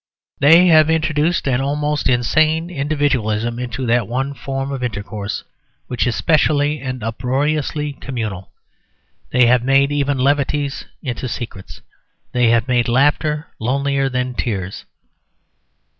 They have introduced an almost insane individualism into that one form of intercourse which is specially and uproariously communal. They have made even levities into secrets. They have made laughter lonelier than tears.